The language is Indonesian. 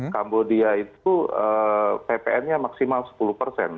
kambodia itu ppn nya maksimal sepuluh persen